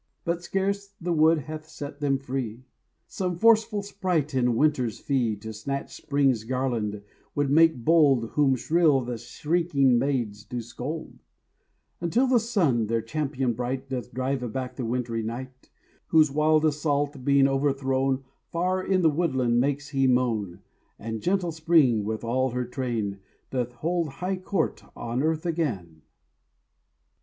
But, scarce the wood hath set them free, Some forceful sprite in winter's fee To snatch Spring's garland would make bold, Whom shrill the shrinking maids do scold, Until the sun, their champion bright, Doth drive aback the wintry knight, Whose wild assault being overthrown, Far in the woodland makes he moan, And gentle Spring with all her train Doth hold high court on earth again.